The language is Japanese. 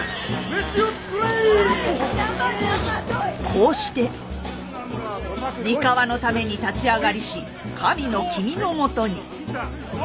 こうして三河のために立ち上がりし神の君のもとに。